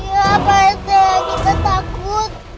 iya pak rt kita takut